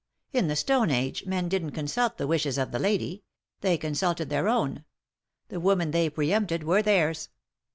In the Stone Age men didn't consult the wishes of the lady ; they consulted their own. The women they pre empted were theirs.